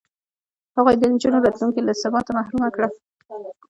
هغوی د نجونو راتلونکې له ثباته محرومه کړه.